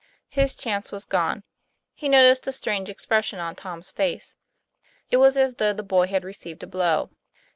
His chance was gone. He noticed a strange ex pression on Tom's face; it was as though the boy had received a blow.